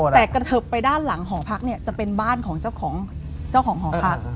แต่กระเทิบไปด้านหลังหอพักเนี่ยจะเป็นบ้านของเจ้าของหอพัก